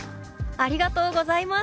「ありがとうございます。